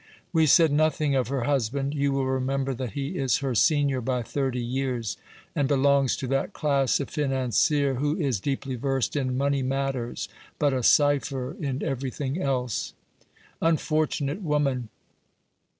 We said nothing of her husband; you will remember that he is her senior by thirty years, and belongs to that class of financier who is deeply versed in money matters, but a cipher in everything else. Unfortunate woman